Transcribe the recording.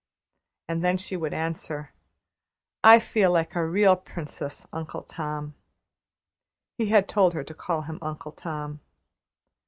And then she would answer: "I feel like a real princess, Uncle Tom." He had told her to call him Uncle Tom.